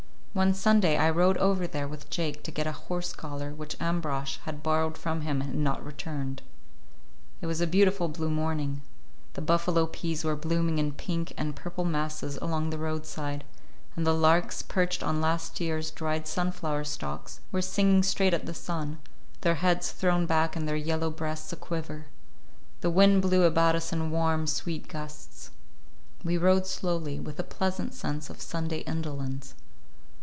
One Sunday I rode over there with Jake to get a horse collar which Ambrosch had borrowed from him and had not returned. It was a beautiful blue morning. The buffalo peas were blooming in pink and purple masses along the roadside, and the larks, perched on last year's dried sunflower stalks, were singing straight at the sun, their heads thrown back and their yellow breasts a quiver. The wind blew about us in warm, sweet gusts. We rode slowly, with a pleasant sense of Sunday indolence.